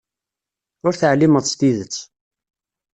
Ur teɛlimeḍ s tidet.